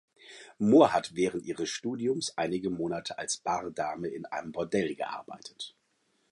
Mohr hatte während ihres Studiums einige Monate als Bardame in einem Bordell gearbeitet.